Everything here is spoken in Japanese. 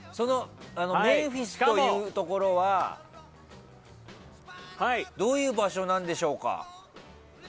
メンフィスというところはどういう場所なんでしょうか。